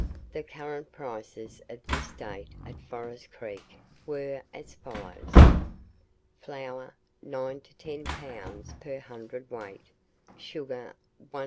The current prices of this date at Forest Creek were as follows: flour, 9 to 10 pounds per hundred weight; sugar, 1s.